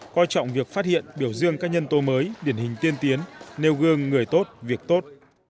coi trọng việc phát hiện biểu dương các nhân tố mới điển hình tiên tiến nêu gương người tốt việc tốt